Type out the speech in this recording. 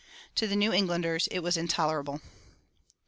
To the New Englanders it was intolerable.